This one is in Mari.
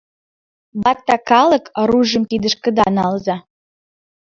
— Батта калык, оружийым кидышкыда налза!